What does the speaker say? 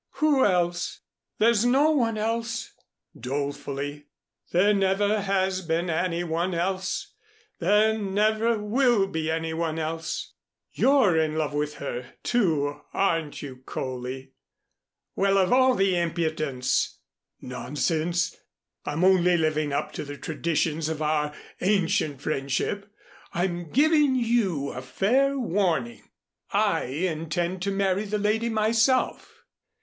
"Who else? There's no one else," dolefully. "There never has been any one else there never will be any one else. You're in love with her, too; aren't you, Coley?" "Well, of all the impudence!" "Nonsense. I'm only living up to the traditions of our ancient friendship. I'm giving you a fair warning. I intend to marry the lady myself."